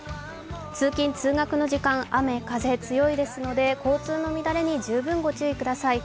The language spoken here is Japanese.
通勤・通学の時間、雨、風強いですので交通の乱れに十分ご注意ください。